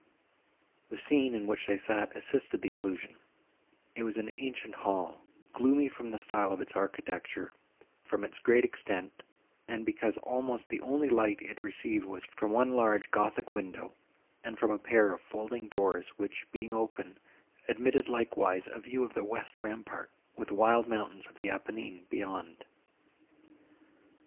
The scene, in which they sat, assisted the illusion; it was an ancient hall, gloomy from the style of its architecture, from its great extent, and because almost the only light it received was from one large gothic window, and from a pair of folding doors, which, being open, admitted likewise a view of the west rampart, with the wild mountains of the Apennine beyond.